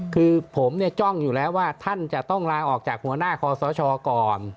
คือผมจ้องอยู่แล้วว่าท่านจะต้องลาออกจากหัวหน้าคอสชก่อน